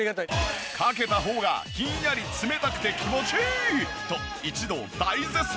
かけた方がヒンヤリ冷たくて気持ちいい！と一同大絶賛。